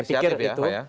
saya pikir itu